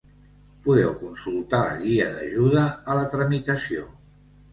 Podeu consultar la guia d'ajuda a la tramitació.